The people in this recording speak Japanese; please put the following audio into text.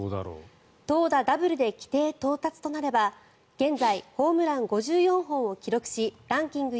投打ダブルで規定到達となれば現在、ホームラン５４本を記録しランキング